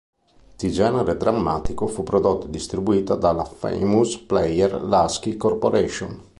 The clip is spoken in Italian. Di genere drammatico, fu prodotto e distribuito dalla Famous Players-Lasky Corporation.